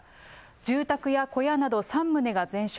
住宅や小屋など３棟が全焼。